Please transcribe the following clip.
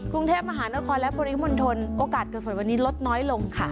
กรุงเทพมหานครและปริมณฑลโอกาสเกิดฝนวันนี้ลดน้อยลงค่ะ